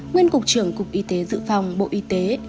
nguyên cục trưởng cục y tế dự phòng bộ y tế